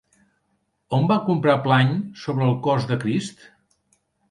On van comprar Plany sobre el cos de Crist?